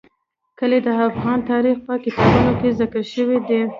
کلي د افغان تاریخ په کتابونو کې ذکر شوی دي.